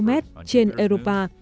một km trên europa